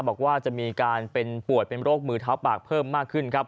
บอกว่าจะมีการเป็นป่วยเป็นโรคมือเท้าปากเพิ่มมากขึ้นครับ